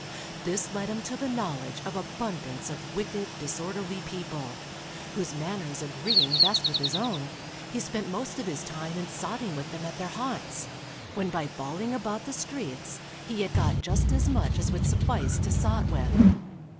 This led him to the knowledge of abundance of wicked, disorderly people, whose manners agreeing best with his own, he spent most of his time in sotting with them at their haunts, when by bawling about the streets, he had got just as much as would suffice to sot with.